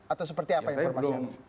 atau seperti apa informasinya